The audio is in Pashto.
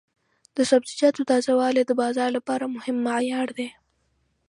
د سبزیجاتو تازه والی د بازار لپاره مهم معیار دی.